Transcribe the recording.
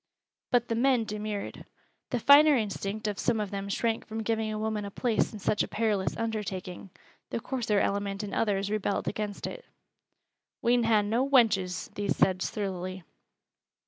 But the men demurred. The finer instinct of some of them shrank from giving a woman a place in such a perilous undertaking the coarser element in others rebelled against it. "We'n ha' no wenches," these said, surlily.